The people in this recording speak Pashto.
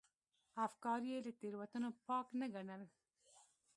افکار یې له تېروتنو پاک نه ګڼل.